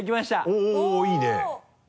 おおっいいね。